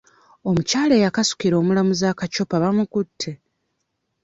Omukyala eyakasukira omulamuzi akacupa bamukutte.